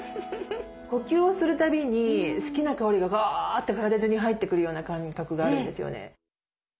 呼吸をするたびに好きな香りがバーッて体じゅうに入ってくるような感覚があるんですよね。